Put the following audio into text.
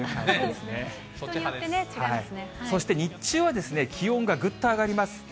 そして日中は気温がぐっと上がります。